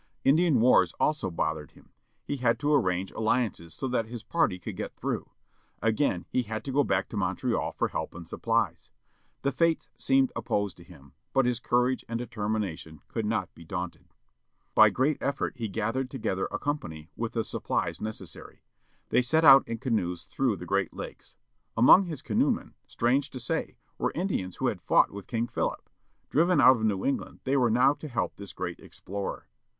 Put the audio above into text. Indian wars also bothered him. He had to arrange alliances so that his party could get through. Again he had to go back to Montreal for help and supplies. The fates seemed opposed to him, but his courage and de termination could not be daunted. By great effort he gathered together a company, with the supplies necessary. They set out in canoes through the Great Lakes. Among his canoemen, strange to say, were Indians who had fought with King Philip ; driven out of New England, they were now to help this great explorer.